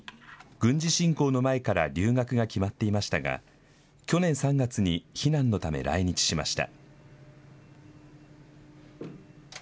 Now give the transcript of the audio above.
軍事侵攻の前から留学が決まっていましたが去年３月に避難のため来日しました。